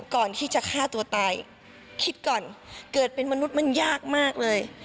ก่อนที่จะฆ่าตัวตายคิดก่อนเกิดเป็นมนุษย์มันยากมากเลย